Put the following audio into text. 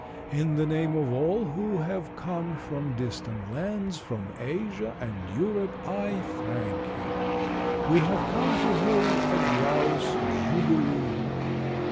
In the name of all who have come from distant lands, from Asia and Europe, I thank you. We have come to hold a Grouse Jubilee.